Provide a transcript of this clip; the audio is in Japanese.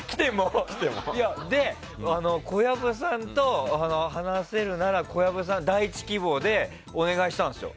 小籔さんと話せるなら小籔さん第１希望でお願いしたんですよ。